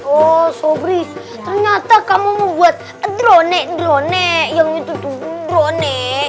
oh sobri ternyata kamu mau buat drone drone yang itu tuh drone